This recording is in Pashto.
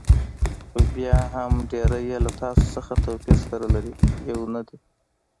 خو بیا هم ډېری یې له تاسو څخه توپیر سره لري، یو نه دي.